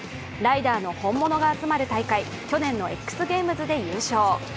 ライダーの本物が集まる大会、去年のＸＧＡＭＥＳで優勝。